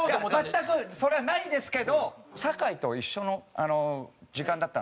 全くそれはないですけど酒井と一緒の時間だったんですよ。